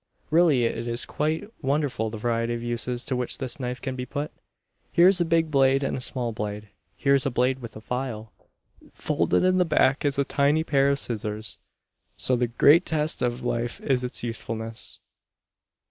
Really it is quite wonderful the variety of uses to which this knife can be put. Here is a big blade, and a small blade; here is a blade with a file; folded in the back is a tiny pair of scissors. So the great test of life is its usefulness.